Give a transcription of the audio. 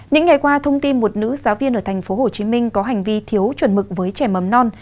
những ngày qua thông tin một nữ giáo viên ở tp hcm có hành vi thiếu chuẩn mực với trẻ mầm non